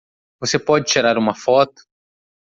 Você pode tirar uma foto?